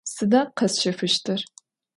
Sıda khesşefıştır?